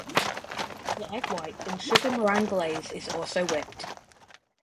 The egg white and sugar (meringue) glaze is also whipped.